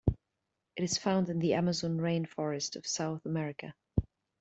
It is found in the Amazon rainforest of South America.